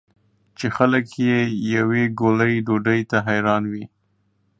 چې خلک یې یوې ګولې ډوډۍ ته حیران وي.